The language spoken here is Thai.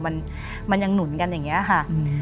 มันยังหนุนกันอย่างนี้ค่ะ